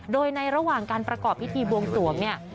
โดยในระหว่างการประกอบพิธีบวงสวงเนี่ย